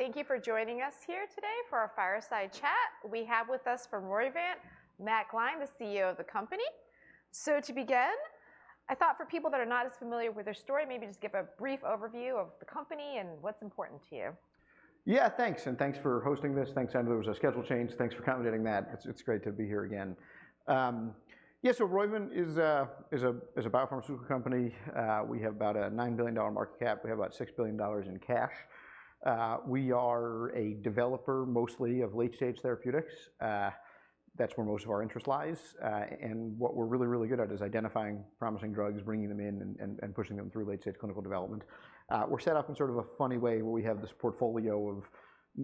Thank you for joining us here today for our fireside chat. We have with us from Roivant, Matt Gline, the CEO of the company. So to begin, I thought for people that are not as familiar with your story, maybe just give a brief overview of the company and what's important to you. Yeah, thanks, and thanks for hosting this. Thanks, I know there was a schedule change. Thanks for accommodating that. It's great to be here again. Yeah, so Roivant is a biopharmaceutical company. We have about a $9 billion market cap. We have about $6 billion in cash. We are a developer mostly of late-stage therapeutics. That's where most of our interest lies. And what we're really, really good at is identifying promising drugs, bringing them in, and pushing them through late-stage clinical development. We're set up in sort of a funny way, where we have this portfolio of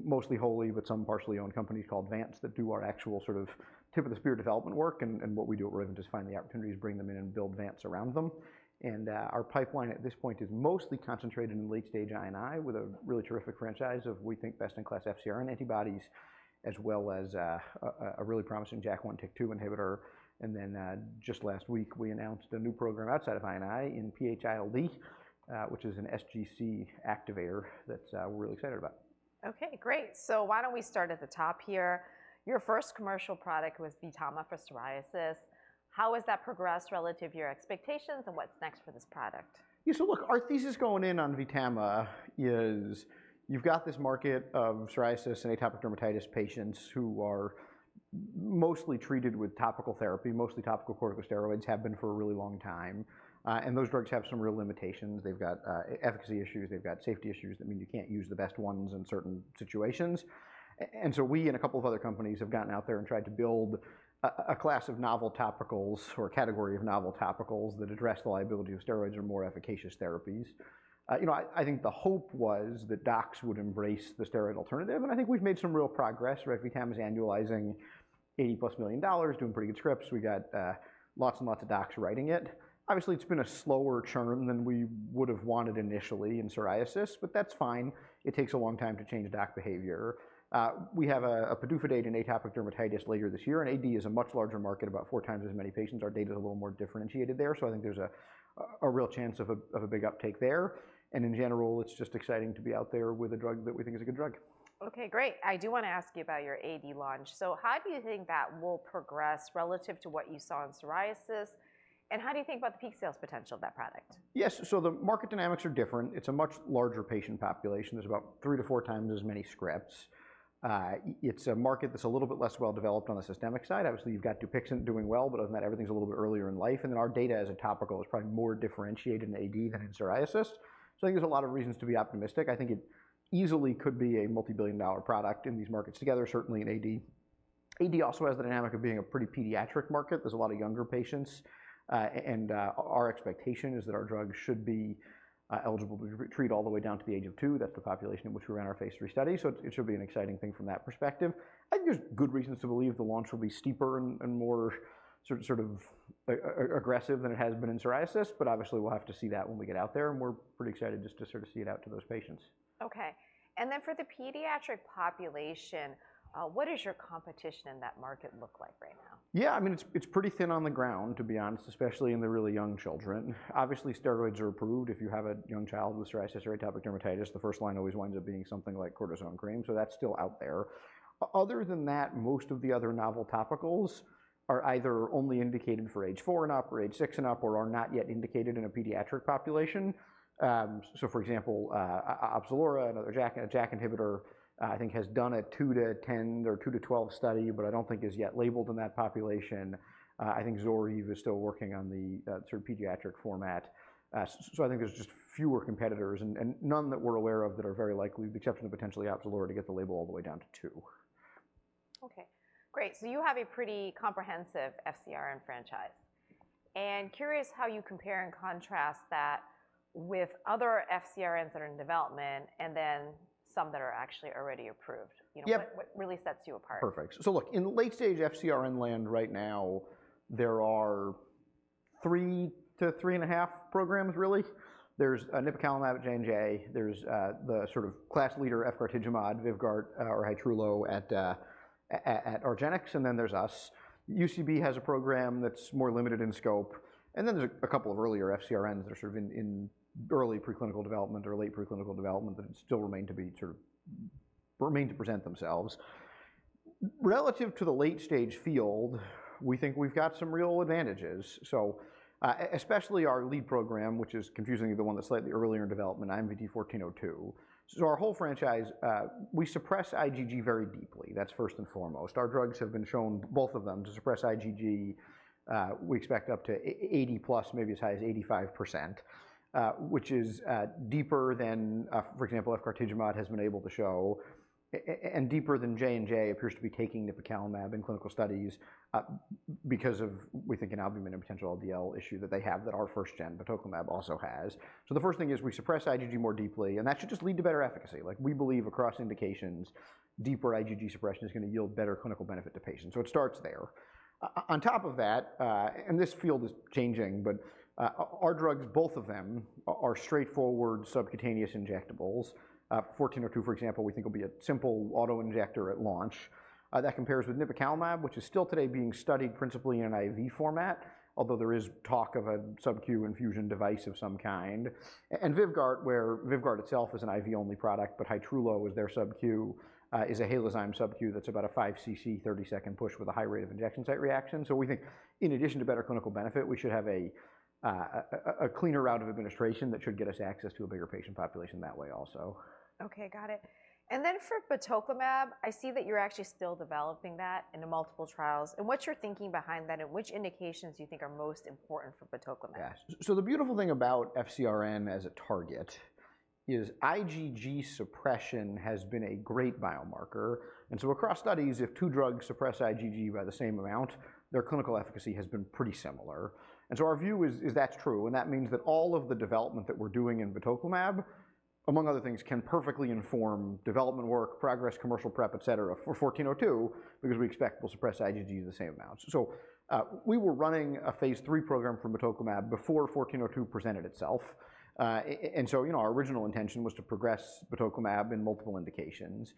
mostly wholly but some partially owned companies called Vants that do our actual sort of tip-of-the-spear development work. And what we do at Roivant is find the opportunities, bring them in, and build Vants around them. Our pipeline at this point is mostly concentrated in late-stage I&I, with a really terrific franchise of, we think, best-in-class FcRn antibodies, as well as a really promising JAK1/JAK2 inhibitor. Just last week, we announced a new program outside of I&I in PH-ILD, which is an sGC activator that we're really excited about. Okay, great. So why don't we start at the top here? Your first commercial product was VTAMA for psoriasis. How has that progressed relative to your expectations, and what's next for this product? Yeah, so look, our thesis going in on VTAMA is you've got this market of psoriasis and atopic dermatitis patients who are mostly treated with topical therapy, mostly topical corticosteroids, have been for a really long time. And those drugs have some real limitations. They've got efficacy issues. They've got safety issues that mean you can't use the best ones in certain situations. And so we and a couple of other companies have gotten out there and tried to build a class of novel topicals or a category of novel topicals that address the liability of steroids or more efficacious therapies. You know, I think the hope was that docs would embrace the steroid alternative, and I think we've made some real progress, right? VTAMA is annualizing $80+ million, doing pretty good scripts. We got lots and lots of docs writing it. Obviously, it's been a slower churn than we would've wanted initially in psoriasis, but that's fine. It takes a long time to change a doc behavior. We have a PDUFA date in atopic dermatitis later this year, and AD is a much larger market, about four times as many patients. Our data is a little more differentiated there, so I think there's a real chance of a big uptake there. In general, it's just exciting to be out there with a drug that we think is a good drug. Okay, great. I do wanna ask you about your AD launch. So how do you think that will progress relative to what you saw in psoriasis, and how do you think about the peak sales potential of that product? Yes, so the market dynamics are different. It's a much larger patient population. There's about three to four times as many scripts. It's a market that's a little bit less well developed on the systemic side. Obviously, you've got DUPIXENT doing well, but other than that, everything's a little bit earlier in life, and then our data as a topical is probably more differentiated in AD than in psoriasis. So I think there's a lot of reasons to be optimistic. I think it easily could be a multi-billion dollar product in these markets together, certainly in AD. AD also has the dynamic of being a pretty pediatric market. There's a lot of younger patients, and our expectation is that our drug should be eligible to be prescribed all the way down to the age of two. That's the population in which we ran our phase III study, so it should be an exciting thing from that perspective. I think there's good reasons to believe the launch will be steeper and more sort of aggressive than it has been in psoriasis, but obviously, we'll have to see that when we get out there, and we're pretty excited just to sort of see it out to those patients. Okay, and then for the pediatric population, what does your competition in that market look like right now? Yeah, I mean, it's, it's pretty thin on the ground, to be honest, especially in the really young children. Obviously, steroids are approved. If you have a young child with psoriasis or atopic dermatitis, the first line always winds up being something like cortisone cream, so that's still out there. Other than that, most of the other novel topicals are either only indicated for age four and up or age six and up or are not yet indicated in a pediatric population. So for example, OPZELURA, another JAK inhibitor, I think has done a two to 10 or two to 12 study, but I don't think is yet labeled in that population. I think XELJANZ is still working on the sort of pediatric format. So, I think there's just fewer competitors and none that we're aware of that are very likely, with the exception of potentially OPZELURA, to get the label all the way down to two. Okay, great. So you have a pretty comprehensive FcRn franchise, and curious how you compare and contrast that with other FcRns that are in development and then some that are actually already approved? Yep. You know, what, what really sets you apart? Perfect. So look, in late-stage FcRn land right now, there are three to three and a half programs, really. There's nipocalimab at J&J. There's the sort of class leader, efgartigimod, VYVGART Hytrulo at argenx, and then there's us. UCB has a program that's more limited in scope, and then there's a couple of earlier FcRns that are sort of in early preclinical development or late preclinical development, but still remain to present themselves. Relative to the late-stage field, we think we've got some real advantages. So, especially our lead program, which is confusingly the one that's slightly earlier in development, IMVT-1402. So our whole franchise, we suppress IgG very deeply. That's first and foremost. Our drugs have been shown, both of them, to suppress IgG. We expect up to 80%+, maybe as high as 85%, which is deeper than, for example, efgartigimod has been able to show. And deeper than J&J appears to be taking nipocalimab in clinical studies, because of, we think, an albumin and potential LDL issue that they have, that our first-gen, batoclimab, also has. So the first thing is we suppress IgG more deeply, and that should just lead to better efficacy. Like, we believe across indications, deeper IgG suppression is gonna yield better clinical benefit to patients, so it starts there. On top of that, and this field is changing, but, our drugs, both of them, are straightforward subcutaneous injectables. IMVT-1402, for example, we think will be a simple auto-injector at launch. That compares with nipocalimab, which is still today being studied principally in an IV format, although there is talk of a SubQ Infusion device of some kind, and VYVGART, where VYVGART itself is an IV-only product, but VYVGART Hytrulo is their SubQ, is a Halozyme SubQ that's about a five cc, 30-second push with a high rate of injection site reaction, so we think in addition to better clinical benefit, we should have a cleaner route of administration that should get us access to a bigger patient population that way also. Okay, got it. And then for batoclimab, I see that you're actually still developing that into multiple trials, and what's your thinking behind that, and which indications do you think are most important for batoclimab? Yeah. So the beautiful thing about FcRn as a target is IgG suppression has been a great biomarker, and so across studies, if two drugs suppress IgG by the same amount, their clinical efficacy has been pretty similar. And so our view is, is that's true, and that means that all of the development that we're doing in batoclimab, among other things, can perfectly inform development work, progress, commercial prep, et cetera, for IMVT-1402, because we expect we'll suppress IgG the same amount. So, we were running a phase III program for batoclimab before IMVT-1402 itself. And so, you know, our original intention was to progress batoclimab in multiple indications.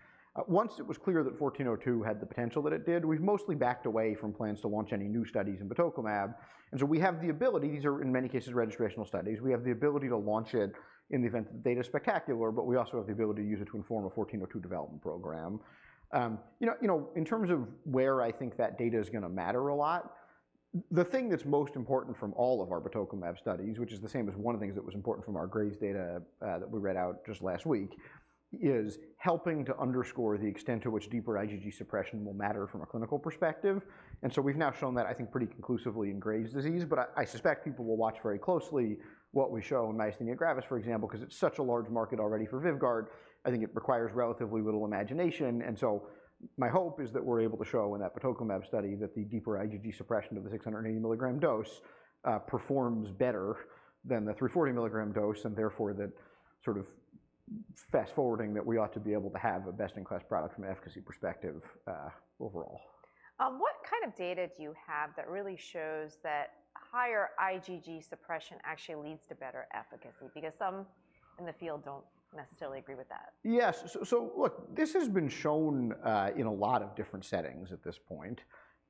Once it was clear that IMVT-1402 had the potential that it did, we've mostly backed away from plans to launch any new studies in batoclimab, and so we have the ability... These are, in many cases, registrational studies. We have the ability to launch it in the event that the data is spectacular, but we also have the ability to use it to inform a IMVT-1402 development program. You know, in terms of where I think that data is gonna matter a lot, the thing that's most important from all of our batoclimab studies, which is the same as one of the things that was important from our Graves' data, that we read out just last week, is helping to underscore the extent to which deeper IgG suppression will matter from a clinical perspective. And so we've now shown that, I think, pretty conclusively in Graves' disease, but I suspect people will watch very closely what we show in myasthenia gravis, for example, 'cause it's such a large market already for VYVGART. I think it requires relatively little imagination, and so my hope is that we're able to show in that batoclimab study that the deeper IgG suppression of the 680 mg dose performs better than the 340 mg dose, and therefore, that sort of fast-forwarding that we ought to be able to have a best-in-class product from an efficacy perspective, overall. What kind of data do you have that really shows that higher IgG suppression actually leads to better efficacy? Because some in the field don't necessarily agree with that. Yes. So look, this has been shown in a lot of different settings at this point.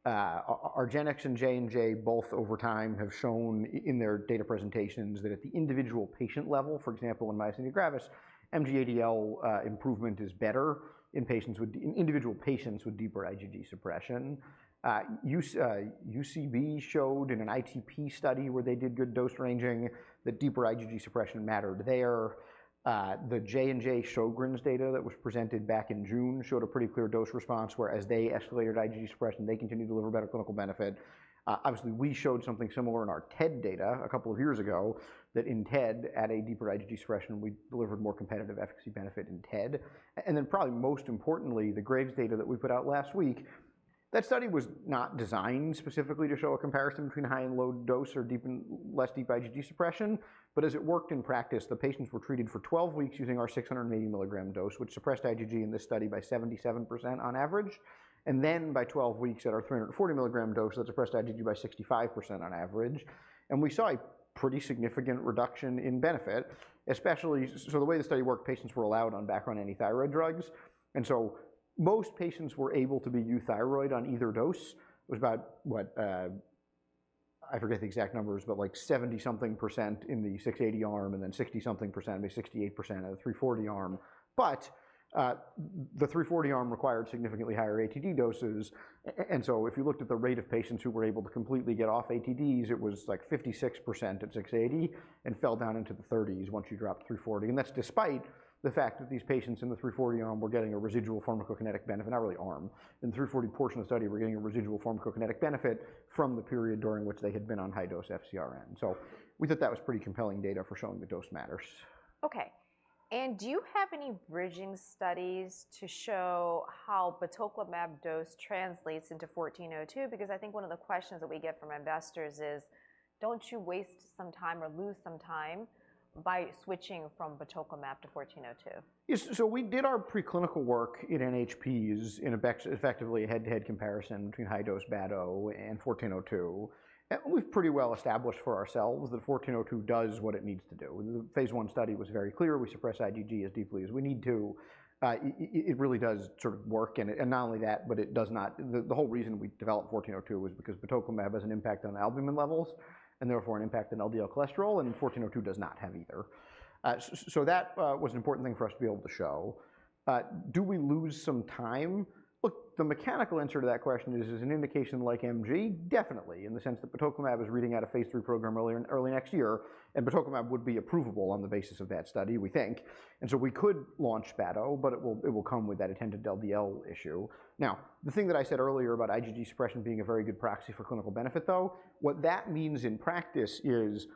Argenx and J&J both over time have shown in their data presentations that at the individual patient level, for example, in myasthenia gravis, MG-ADL, improvement is better in patients with... in individual patients with deeper IgG suppression. UCB showed in an ITP study where they did good dose ranging, that deeper IgG suppression mattered there. The J&J Sjögren's data that was presented back in June showed a pretty clear dose response, where as they escalated IgG suppression, they continued to deliver better clinical benefit. Obviously, we showed something similar in our TED data a couple of years ago, that in TED, at a deeper IgG suppression, we delivered more competitive efficacy benefit in TED. And then probably most importantly, the Graves' data that we put out last week. That study was not designed specifically to show a comparison between high and low dose, or deep and less deep IgG suppression. But as it worked in practice, the patients were treated for 12 weeks using our 680 mg dose, which suppressed IgG in this study by 77% on average, and then by 12 weeks at our 340 mg dose, that suppressed IgG by 65% on average. And we saw a pretty significant reduction in benefit, especially. So the way the study worked, patients were allowed on background antithyroid drugs, and so most patients were able to be euthyroid on either dose. It was about, what, I forget the exact numbers, but like 70% something in the 680 arm, and then 60% something, maybe 68% of the 340 arm. But the 340 arm required significantly higher ATD doses. And so if you looked at the rate of patients who were able to completely get off ATDs, it was like 56% at 680, and fell down into the 30s once you dropped to 340. And that's despite the fact that these patients in the 340 arm were getting a residual pharmacokinetic benefit, not really arm. In the 340 portion of the study, we're getting a residual pharmacokinetic benefit from the period during which they had been on high-dose FcRn. So we thought that was pretty compelling data for showing that dose matters. Okay, and do you have any bridging studies to show how batoclimab dose translates into IMVT-1402? Because I think one of the questions that we get from investors is: Don't you waste some time or lose some time by switching from batoclimab to IMVT-1402? Yes, so we did our preclinical work in NHPs, effectively a head-to-head comparison between high-dose BATO and IMVT-1402, and we've pretty well established for ourselves that IMVT-1402 does what it needs to do. The phase I study was very clear, we suppress IgG as deeply as we need to. It really does sort of work, and not only that, but it does not. The whole reason we developed IMVT-1402 was because batoclimab has an impact on albumin levels, and therefore an impact on LDL cholesterol, and IMVT-1402 does not have either. So that was an important thing for us to be able to show. Do we lose some time? Look, the mechanical answer to that question is, as an indication like MG, definitely, in the sense that batoclimab is reading out a phase III program early next year, and batoclimab would be approvable on the basis of that study, we think, and so we could launch BATO, but it will, it will come with that [attendant] LDL issue. Now, the thing that I said earlier about IgG suppression being a very good proxy for clinical benefit, though, what that means in practice is,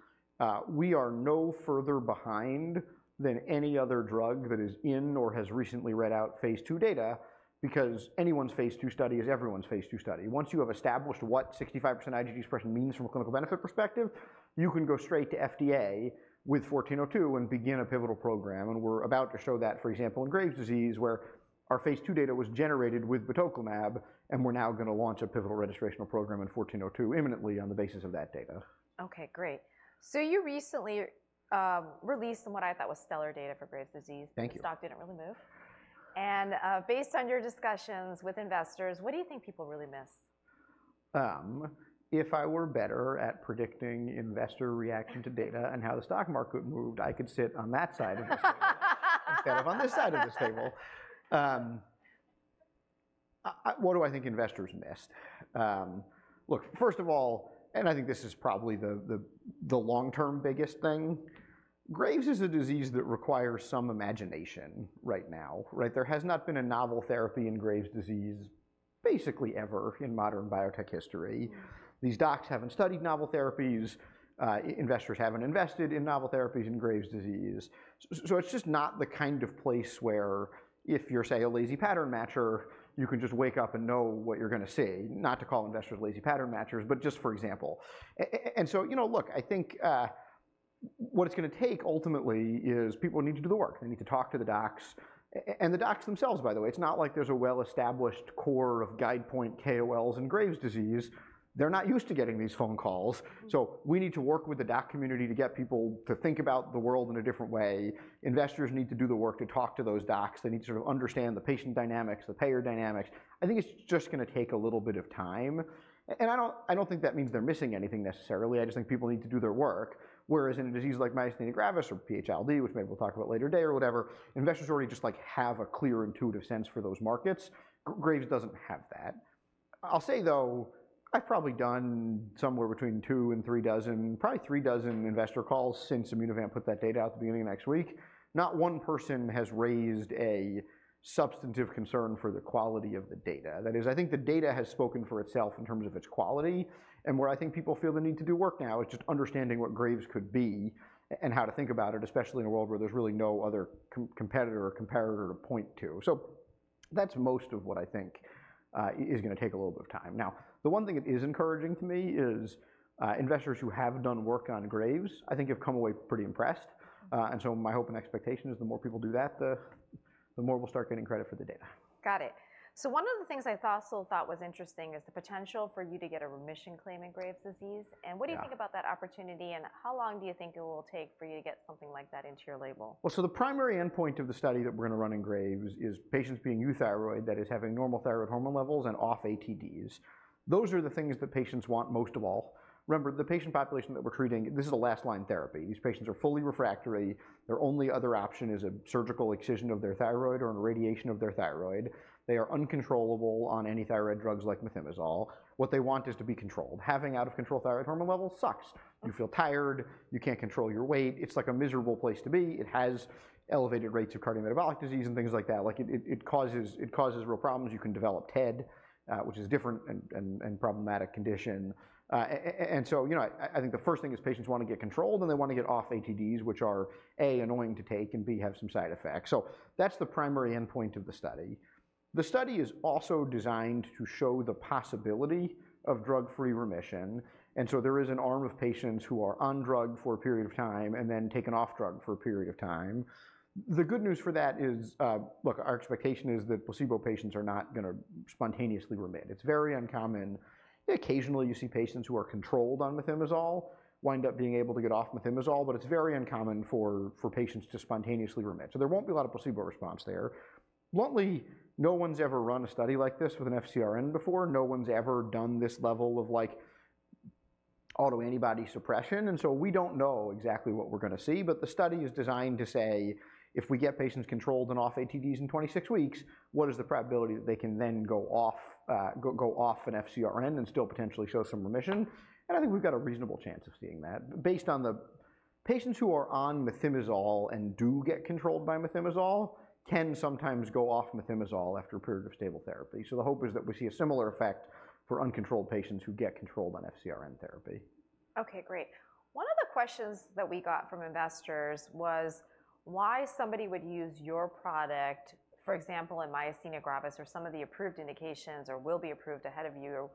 we are no further behind than any other drug that is in or has recently read out phase II data, because anyone's phase II study is everyone's phase II study. Once you have established what 65% IgG suppression means from a clinical benefit perspective, you can go straight to FDA with IMVT-1402 and begin a pivotal program, and we're about to show that, for example, in Graves' disease, where our phase II data was generated with batoclimab, and we're now gonna launch a pivotal registrational program in IMVT-1402 imminently on the basis of that data. Okay, great. So you recently released what I thought was stellar data for Graves' disease. Thank you. The stock didn't really move. Based on your discussions with investors, what do you think people really miss? If I were better at predicting investor reaction to data and how the stock market moved, I could sit on that side of this table instead of on this side of this table. What do I think investors missed? Look, first of all, and I think this is probably the long-term biggest thing. Graves' is a disease that requires some imagination right now, right? There has not been a novel therapy in Graves' disease basically ever in modern biotech history. Mm. These docs haven't studied novel therapies. Investors haven't invested in novel therapies in Graves' disease. So it's just not the kind of place where if you're, say, a lazy pattern matcher, you can just wake up and know what you're gonna see. Not to call investors lazy pattern matchers, but just for example. And so, you know, look, I think what it's gonna take ultimately is people need to do the work. They need to talk to the docs, and the docs themselves, by the way. It's not like there's a well-established core of Guidepoint KOLs in Graves' disease. They're not used to getting these phone calls. Mm. So we need to work with the doc community to get people to think about the world in a different way. Investors need to do the work to talk to those docs. They need to sort of understand the patient dynamics, the payer dynamics. I think it's just gonna take a little bit of time, and I don't think that means they're missing anything necessarily. I just think people need to do their work. Whereas in a disease like myasthenia gravis or PH-ILD, which maybe we'll talk about later today or whatever, investors already just, like, have a clear, intuitive sense for those markets. Graves' doesn't have that. I'll say, though, I've probably done somewhere between two and three dozen, probably three dozen investor calls since Immunovant put that data out at the beginning of next week. Not one person has raised a substantive concern for the quality of the data. That is, I think the data has spoken for itself in terms of its quality, and where I think people feel the need to do work now is just understanding what Graves' could be and how to think about it, especially in a world where there's really no other competitor or comparator to point to. So that's most of what I think is gonna take a little bit of time. Now, the one thing that is encouraging to me is investors who have done work on Graves', I think have come away pretty impressed. And so my hope and expectation is the more people do that, the more we'll start getting credit for the data. Got it. So one of the things I thought... still thought was interesting is the potential for you to get a remission claim in Graves' disease. Yeah. What do you think about that opportunity, and how long do you think it will take for you to get something like that into your label? Well, so the primary endpoint of the study that we're gonna run in Graves' is patients being euthyroid, that is, having normal thyroid hormone levels and off ATDs. Those are the things that patients want most of all. Remember, the patient population that we're treating, this is a last-line therapy. These patients are fully refractory. Their only other option is a surgical excision of their thyroid or radiation of their thyroid. They are uncontrollable on any thyroid drugs like methimazole. What they want is to be controlled. Having out-of-control thyroid hormone levels sucks. Mm. You feel tired. You can't control your weight. It's like a miserable place to be. It has elevated rates of cardiometabolic disease and things like that. Like, it causes real problems. You can develop TED, which is a different and problematic condition, and so, you know, I think the first thing is patients wanna get controlled, and they wanna get off ATDs, which are, A, annoying to take, and B, have some side effects. So that's the primary endpoint of the study. The study is also designed to show the possibility of drug-free remission, and so there is an arm of patients who are on drug for a period of time and then taken off drug for a period of time. The good news for that is, look, our expectation is that placebo patients are not gonna spontaneously remit. It's very uncommon. Occasionally, you see patients who are controlled on methimazole wind up being able to get off methimazole, but it's very uncommon for patients to spontaneously remit. So there won't be a lot of placebo response there. Bluntly, no one's ever run a study like this with an FcRn before. No one's ever done this level of, like, autoantibody suppression, and so we don't know exactly what we're gonna see. But the study is designed to say, if we get patients controlled and off ATDs in 26 weeks, what is the probability that they can then go off an FcRn and still potentially show some remission? And I think we've got a reasonable chance of seeing that, based on the... Patients who are on methimazole and do get controlled by methimazole can sometimes go off methimazole after a period of stable therapy. So the hope is that we see a similar effect for uncontrolled patients who get controlled on FcRn therapy. Okay, great. One of the questions that we got from investors was why somebody would use your product, for example, in myasthenia gravis or some of the approved indications or will be approved ahead of you,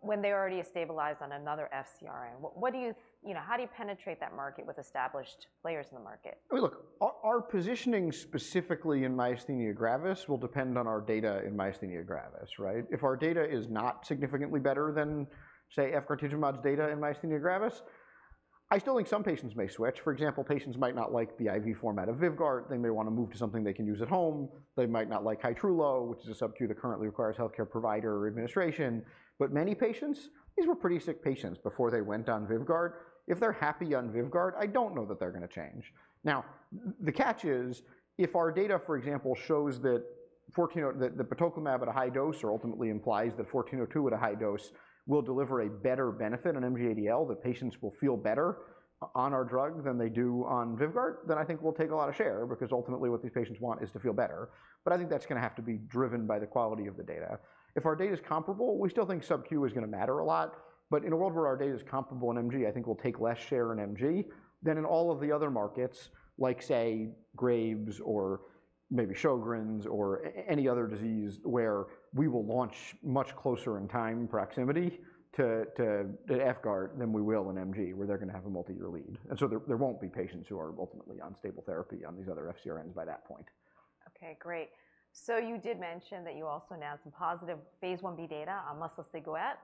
when they're already stabilized on another FcRn. What, what do you... You know, how do you penetrate that market with established players in the market? I mean, look, our positioning specifically in myasthenia gravis will depend on our data in myasthenia gravis, right? If our data is not significantly better than, say, efgartigimod data in myasthenia gravis, I still think some patients may switch. For example, patients might not like the IV format of VYVGART. They may want to move to something they can use at home. They might not like Hytrulo, which is a SubQ that currently requires healthcare provider administration. But many patients, these were pretty sick patients before they went on VYVGART. If they're happy on VYVGART, I don't know that they're going to change. Now, the catch is, if our data, for example, shows IMVT-1402, that the batoclimab at a high dose, or ultimately implies that IMVT-1402 at a high dose, will deliver a better benefit on MG-ADL, that patients will feel better on our drug than they do on VYVGART, then I think we'll take a lot of share, because ultimately, what these patients want is to feel better. But I think that's going to have to be driven by the quality of the data. If our data is comparable, we stil l think SubQ is going to matter a lot. But in a world where our data is comparable in MG, I think we'll take less share in MG than in all of the other markets, like, say, Graves' or maybe Sjögren's, or any other disease where we will launch much closer in time proximity to VYVGART than we will in MG, where they're going to have a multi-year lead. And so there won't be patients who are ultimately on stable therapy on these other FcRns by that point. Okay, great. So you did mention that you also announced some positive phase I-B data on mosliciguat,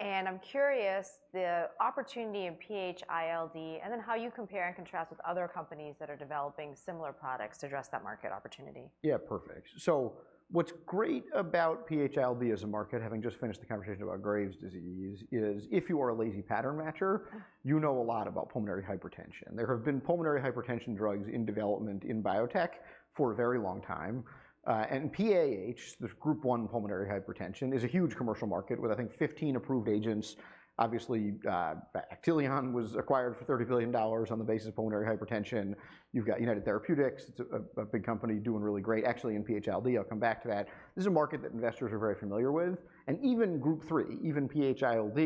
and I'm curious the opportunity in PH-ILD, and then how you compare and contrast with other companies that are developing similar products to address that market opportunity. Yeah, perfect. So what's great about PH-ILD as a market, having just finished the conversation about Graves' disease, is if you are a lazy pattern matcher, you know a lot about pulmonary hypertension. There have been pulmonary hypertension drugs in development in biotech for a very long time, and PAH, this Group 1 pulmonary hypertension, is a huge commercial market with, I think, 15 approved agents. Obviously, Actelion was acquired for $30 billion on the basis of pulmonary hypertension. You've got United Therapeutics. It's a big company doing really great, actually, in PH-ILD. I'll come back to that. This is a market that investors are very familiar with, and even Group 3, even PH-ILD,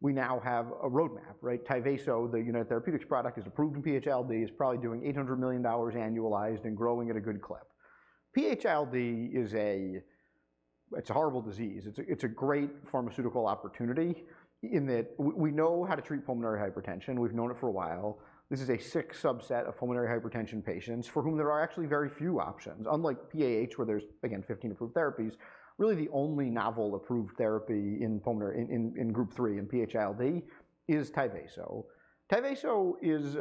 we now have a roadmap, right? TYVASO, the United Therapeutics product, is approved in PH-ILD. It's probably doing $800 million annualized and growing at a good clip. PH-ILD is a... It's a horrible disease. It's a great pharmaceutical opportunity in that we know how to treat pulmonary hypertension. We've known it for a while. This is a sick subset of pulmonary hypertension patients for whom there are actually very few options. Unlike PAH, where there's, again, 15 approved therapies, really the only novel approved therapy in pulmonary Group 3, in PH-ILD, is TYVASO. TYVASO is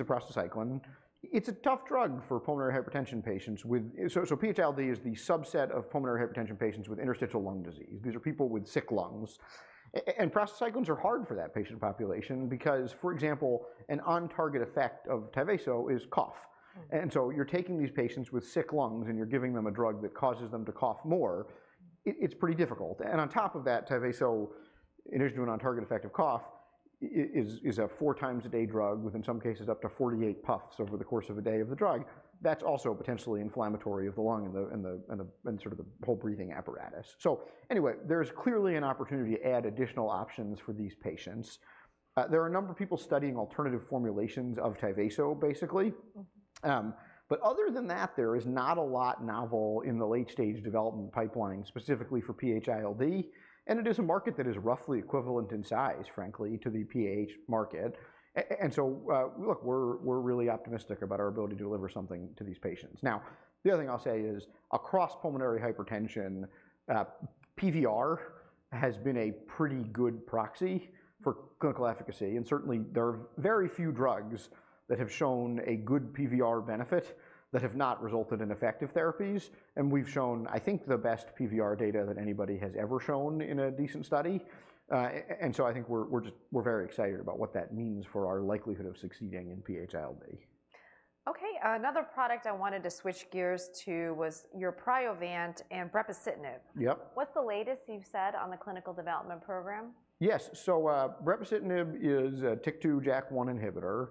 a prostacyclin. It's a tough drug for pulmonary hypertension patients with... So PH-ILD is the subset of pulmonary hypertension patients with interstitial lung disease. These are people with sick lungs, and prostacyclins are hard for that patient population because, for example, an on-target effect of TYVASO is cough. Mm. And so you're taking these patients with sick lungs, and you're giving them a drug that causes them to cough more. It's pretty difficult. And on top of that, TYVASO, in addition to an on-target effect of cough, is a four-times-a-day drug with, in some cases, up to 48 puffs over the course of a day of the drug. That's also potentially inflammatory of the lung and sort of the whole breathing apparatus. So anyway, there's clearly an opportunity to add additional options for these patients. There are a number of people studying alternative formulations of TYVASO, basically. Mm. But other than that, there is not a lot novel in the late-stage development pipeline, specifically for PH-ILD, and it is a market that is roughly equivalent in size, frankly, to the PAH market. And so, look, we're really optimistic about our ability to deliver something to these patients. Now, the other thing I'll say is, across pulmonary hypertension, PVR has been a pretty good proxy for clinical efficacy, and certainly, there are very few drugs that have shown a good PVR benefit that have not resulted in effective therapies. And we've shown, I think, the best PVR data that anybody has ever shown in a decent study. And so I think we're very excited about what that means for our likelihood of succeeding in PH-ILD. Okay, another product I wanted to switch gears to was your Priovant and brepocitinib. Yep. What's the latest you've said on the clinical development program? Yes, so, brepocitinib is a TYK2/JAK1 inhibitor.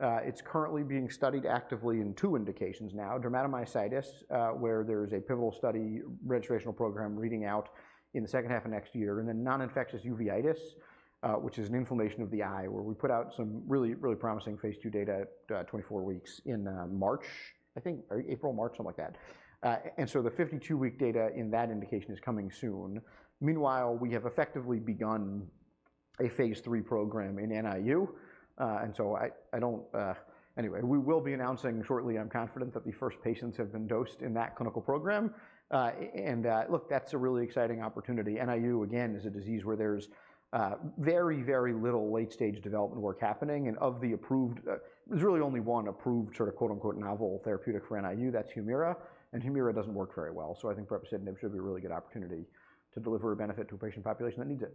It's currently being studied actively in two indications now: dermatomyositis, where there's a pivotal study, registrational program, reading out in the second half of next year, and then non-infectious uveitis, which is an inflammation of the eye, where we put out some really, really promising phase II data, 24 weeks in, March, I think, or April, March, something like that. And so the 52-week data in that indication is coming soon. Meanwhile, we have effectively begun a phase III program in NIU, and so... Anyway, we will be announcing shortly, I'm confident, that the first patients have been dosed in that clinical program. And look, that's a really exciting opportunity. NIU, again, is a disease where there's very, very little late-stage development work happening, and of the approved, there's really only one approved, sort of quote, unquote, "novel" therapeutic for NIU, that's HUMIRA, and HUMIRA doesn't work very well. So I think brepocitinib should be a really good opportunity to deliver a benefit to a patient population that needs it.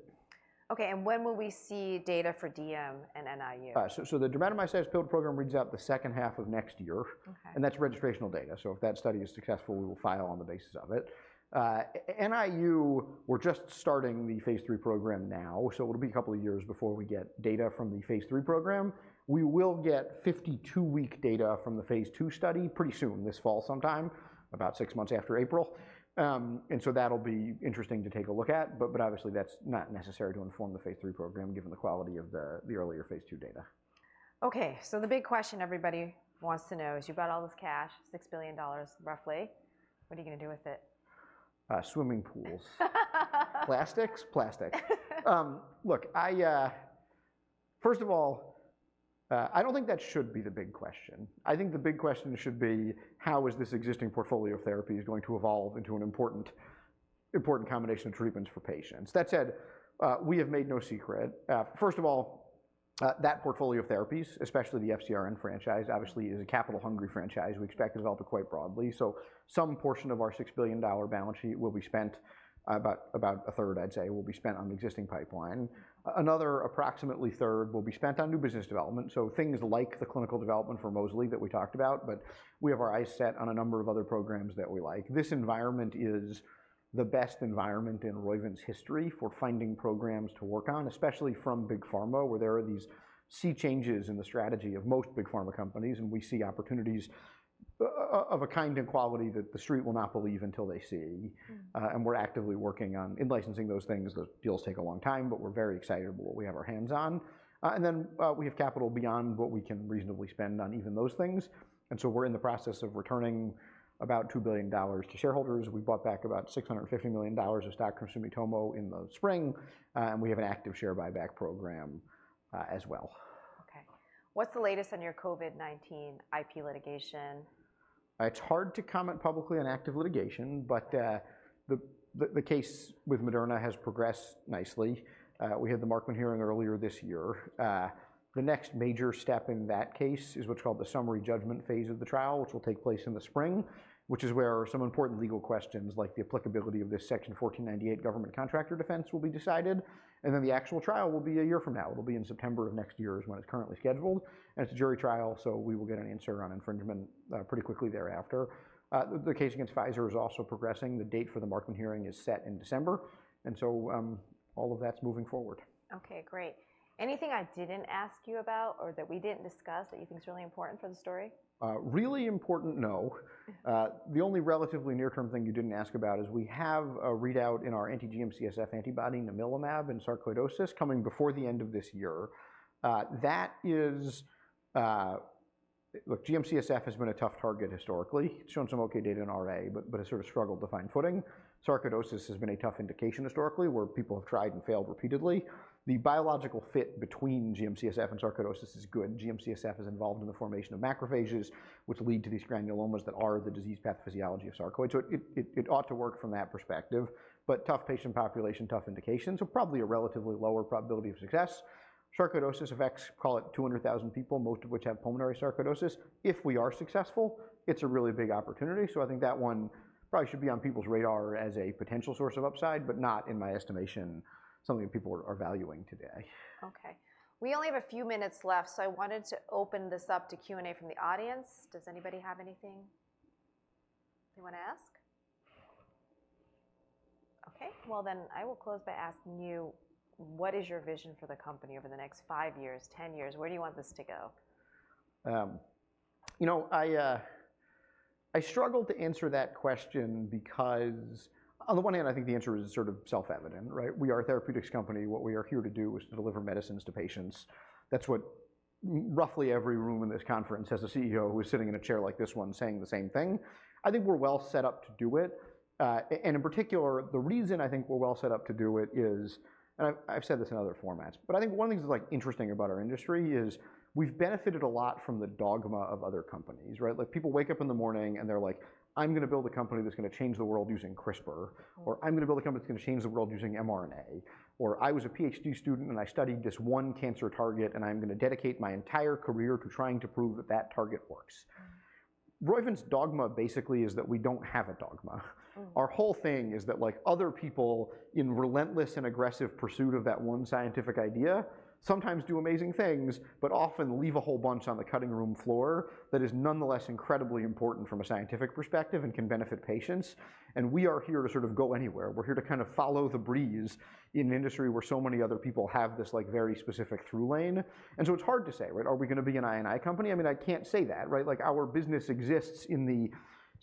Okay, and when will we see data for DM and NIU? The dermatomyositis field program reads out the second half of next year. Okay. And that's registrational data, so if that study is successful, we will file on the basis of it. NIU, we're just starting the phase III program now, so it'll be a couple of years before we get data from the phase III program. We will get 52-week data from the phase II study pretty soon, this fall sometime, about six months after April. And so that'll be interesting to take a look at, but obviously, that's not necessary to inform the phase III program, given the quality of the earlier phase II data. Okay, so the big question everybody wants to know is, you've got all this cash, $6 billion, roughly. What are you going to do with it? Swimming pools. Plastics? Plastics. Look, first of all, I don't think that should be the big question. I think the big question should be: How is this existing portfolio of therapies going to evolve into an important combination of treatments for patients. That said, we have made no secret. First of all, that portfolio of therapies, especially the FcRn franchise, obviously is a capital-hungry franchise. We expect to develop it quite broadly. So some portion of our $6 billion balance sheet will be spent, about a third, I'd say, will be spent on the existing pipeline. Another approximately a third will be spent on new business development, so things like the clinical development for mosliciguat that we talked about, but we have our eyes set on a number of other programs that we like. This environment is the best environment in Roivant's history for finding programs to work on, especially from Big Pharma, where there are these sea changes in the strategy of most big pharma companies, and we see opportunities of a kind and quality that the Street will not believe until they see. Mm. And we're actively working on in-licensing those things. Those deals take a long time, but we're very excited about what we have our hands on. And then, we have capital beyond what we can reasonably spend on even those things, and so we're in the process of returning about $2 billion to shareholders. We bought back about $650 million of stock from Sumitomo in the spring, and we have an active share buyback program, as well. Okay. What's the latest on your COVID-19 IP litigation? It's hard to comment publicly on active litigation, but the case with Moderna has progressed nicely. We had the Markman hearing earlier this year. The next major step in that case is what's called the summary judgment phase of the trial, which will take place in the spring, which is where some important legal questions, like the applicability of this Section 1498 government contractor defense, will be decided, and then the actual trial will be a year from now. It'll be in September of next year, is when it's currently scheduled, and it's a jury trial, so we will get an answer on infringement pretty quickly thereafter. The case against Pfizer is also progressing. The date for the Markman hearing is set in December, and so all of that's moving forward. Okay, great. Anything I didn't ask you about or that we didn't discuss that you think is really important for the story? Really important, no. The only relatively near-term thing you didn't ask about is we have a readout in our anti-GM-CSF antibody, namilumab, in sarcoidosis coming before the end of this year. That is, Look, GM-CSF has been a tough target historically. It's shown some okay data in RA, but it sort of struggled to find footing. Sarcoidosis has been a tough indication historically, where people have tried and failed repeatedly. The biological fit between GM-CSF and sarcoidosis is good. GM-CSF is involved in the formation of macrophages, which lead to these granulomas that are the disease pathophysiology of sarcoid. So it ought to work from that perspective, but tough patient population, tough indication, so probably a relatively lower probability of success. Sarcoidosis affects, call it, 200,000 people, most of which have pulmonary sarcoidosis. If we are successful, it's a really big opportunity, so I think that one probably should be on people's radar as a potential source of upside, but not, in my estimation, something that people are valuing today. Okay. We only have a few minutes left, so I wanted to open this up to Q&A from the audience. Does anybody have anything they wanna ask? Okay, well, then, I will close by asking you, what is your vision for the company over the next five years, 10 years? Where do you want this to go? You know, I struggled to answer that question because on the one hand, I think the answer is sort of self-evident, right? We are a therapeutics company. What we are here to do is to deliver medicines to patients. That's what roughly every room in this conference has a CEO who is sitting in a chair like this one, saying the same thing. I think we're well set up to do it, and in particular, the reason I think we're well set up to do it is, and I've said this in other formats, but I think one of the things that's, like, interesting about our industry is, we've benefited a lot from the dogma of other companies, right? Like, people wake up in the morning, and they're like: "I'm gonna build a company that's gonna change the world using CRISPR," or, "I'm gonna build a company that's gonna change the world using mRNA," or, "I was a PhD student, and I studied this one cancer target, and I'm gonna dedicate my entire career to trying to prove that that target works. Mm. Roivant's dogma basically is that we don't have a dogma. Mm. Our whole thing is that, like other people in relentless and aggressive pursuit of that one scientific idea sometimes do amazing things, but often leave a whole bunch on the cutting room floor that is nonetheless incredibly important from a scientific perspective and can benefit patients, and we are here to sort of go anywhere. We're here to kind of follow the breeze in an industry where so many other people have this, like, very specific through lane, and so it's hard to say, right? Are we gonna be an I&I company? I mean, I can't say that, right? Like, our business exists in the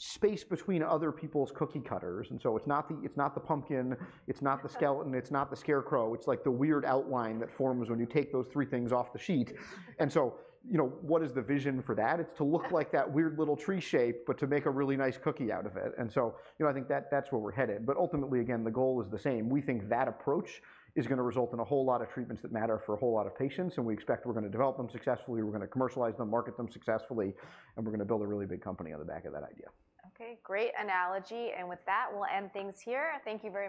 space between other people's cookie cutters, and so it's not the pumpkin, it's not the skeleton, it's not the scarecrow. It's, like, the weird outline that forms when you take those three things off the sheet. And so, you know, what is the vision for that? It's to look like that weird little tree shape, but to make a really nice cookie out of it, and so, you know, I think that, that's where we're headed. But ultimately, again, the goal is the same. We think that approach is gonna result in a whole lot of treatments that matter for a whole lot of patients, and we expect we're gonna develop them successfully, we're gonna commercialize them, market them successfully, and we're gonna build a really big company on the back of that idea. Okay, great analogy, and with that, we'll end things here. Thank you very much.